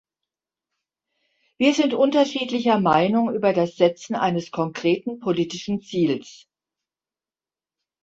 Wir sind unterschiedlicher Meinung über das Setzen eines konkreten politischen Ziels.